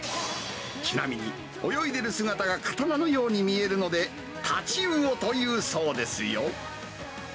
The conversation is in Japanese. ちなみに泳いでいる姿が刀のように見えるので、太刀魚というそうですよ。